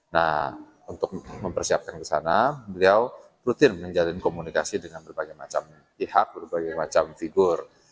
nah untuk mempersiapkan ke sana beliau rutin menjalin komunikasi dengan berbagai macam pihak berbagai macam figur